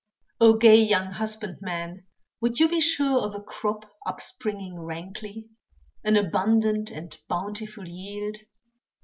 Oh gay young husbandmen would you be sure of a crop Upspringing rankly, an abundant and bountiful yield?